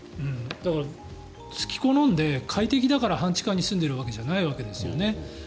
だから、好き好んで快適だから半地下に住んでいるわけじゃないわけですよね。